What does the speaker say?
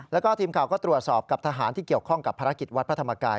แล้วก็ทีมข่าวก็ตรวจสอบกับทหารที่เกี่ยวข้องกับภารกิจวัดพระธรรมกาย